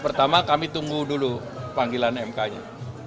pertama kami tunggu dulu panggilan mk nya